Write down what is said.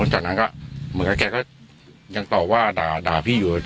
จากนั้นแกก็มึงกับแกก็ยังตอบว่าด่าด่าพี่อยู่